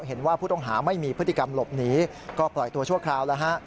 เห็นว่าผู้ต้องหาไม่มีพฤติกรรมหลบหนีก็ปล่อยตัวชั่วคราวแล้วฮะ